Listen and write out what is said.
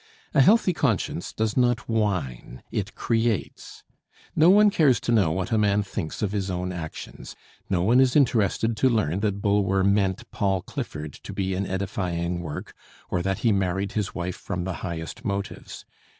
A healthy conscience does not whine it creates. No one cares to know what a man thinks of his own actions. No one is interested to learn that Bulwer meant 'Paul Clifford' to be an edifying work, or that he married his wife from the highest motives.